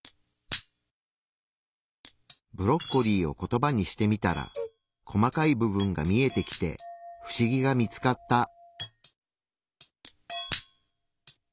ブロッコリーをコトバにしてみたら細かい部分が見えてきて不思議が見つかった。